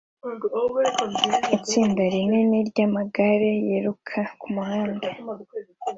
itsinda rinini ryamagare yiruka kumuhanda